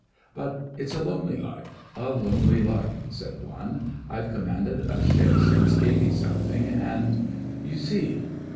'But it's a lonely life—a lonely life,' said one. 'I've commanded a ship since Eighty something, and—you see.